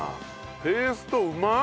ペーストうまっ！